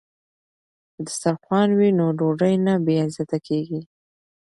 که دسترخوان وي نو ډوډۍ نه بې عزته کیږي.